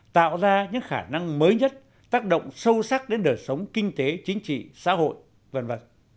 tạo ra những khả năng mới nhất tác động sâu sắc đến đời sống kinh tế chính trị xã hội v v